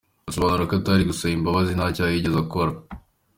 Asobanura ko atari gusaba imbabazi nta cyaha yigeze akora.